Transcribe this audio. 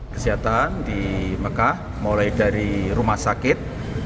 kesehatan di mekah mulai dari rumah sakit